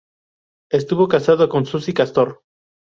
Estuvo casado con Suzy Castor.